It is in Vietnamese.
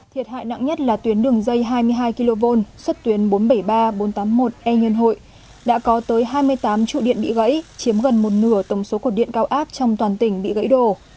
thiệt hại nặng nhất là tuyến đường dây hai mươi hai kv xuất tuyến bốn trăm bảy mươi ba bốn trăm tám mươi một e nhân hội đã có tới hai mươi tám trụ điện bị gãy chiếm gần một nửa tổng số cột điện cao áp trong toàn tỉnh bị gãy đổ